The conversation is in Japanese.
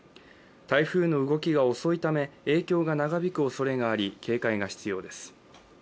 台風の動きが遅いため影響が長引くおそれがあり警戒が必要です。